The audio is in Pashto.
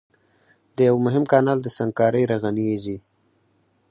د يوه مهم کانال د سنګکارۍ رغنيزي